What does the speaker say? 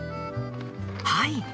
はい。